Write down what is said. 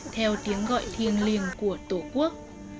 theo tiếng gọi thiêng liêng của tổ quốc